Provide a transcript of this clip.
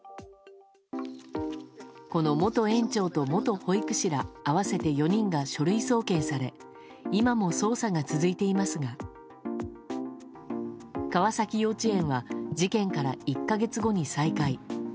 この元園長と元保育士ら合わせて４人が書類送検され今も捜査が続いていますが川崎幼稚園は事件から１か月後に再開。